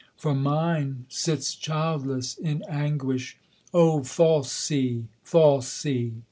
for mine sits childless in anguish! O false sea! false sea!